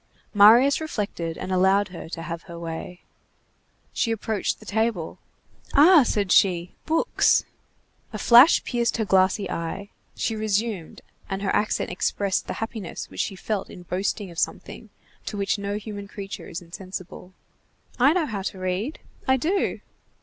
Marius reflected, and allowed her to have her way. She approached the table. "Ah!" said she, "books!" A flash pierced her glassy eye. She resumed, and her accent expressed the happiness which she felt in boasting of something, to which no human creature is insensible:— "I know how to read, I do!"